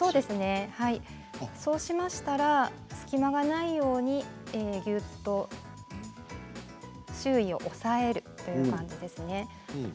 そうしましたら隙間がないようにぎゅっと周囲を押さえるという感じですね。